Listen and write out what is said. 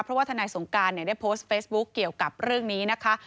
เพราะว่าทนายสงการได้โพสต์เฟซบุ๊คเกี่ยวกับเรื่องนี้นะคะ